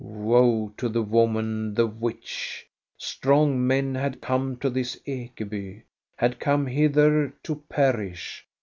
Woe to the woman, the witch ! Strong men had come to this Ekeby, had come hither to* perish.